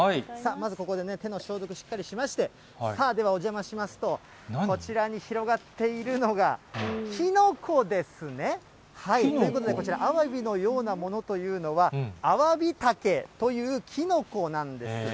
まずここで手の消毒しっかりしまして、ではお邪魔しますと、こちらに広がっているのが、キノコですね。ということでこちら、アワビのようなものというのは、アワビタケというキノコなんです。